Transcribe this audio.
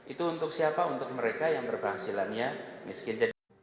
itu untuk siapa untuk mereka yang berpenghasilannya miskin